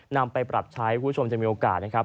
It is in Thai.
นำไปปรับใช้คุณผู้ชมจะมีโอกาสนะครับ